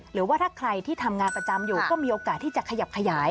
หรือว่าถ้าใครที่ทำงานประจำอยู่ก็มีโอกาสที่จะขยับขยาย